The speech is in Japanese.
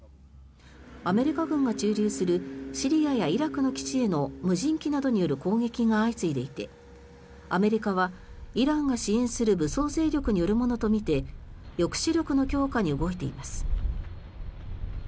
アメリカ軍が駐留するシリアやイラクの基地への無人機などによる攻撃が相次いでいてアメリカはイランが支援する武装勢力によるものとみて抑止力の強化に動いています。